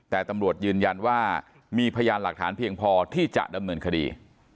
แต่ตำรวจยืนยันว่ามีพยานหลักฐานเพียงพอที่จะดำเนินคดี